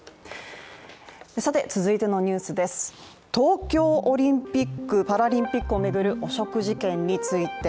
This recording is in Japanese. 続いて、東京オリンピック・パラリンピックを巡る汚職事件について。